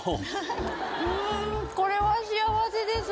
んこれは幸せです。